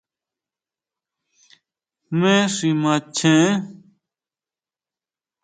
¿Jmé xi macheén?